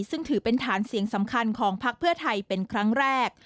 ซึ่งถือเป็นฐานเสียงสำคัญของพักเพื่อไทยเป็นครั้งแรก